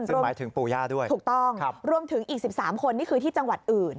ซึ่งหมายถึงปู่ย่าด้วยถูกต้องรวมถึงอีก๑๓คนนี่คือที่จังหวัดอื่น